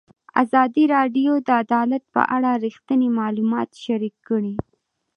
ازادي راډیو د عدالت په اړه رښتیني معلومات شریک کړي.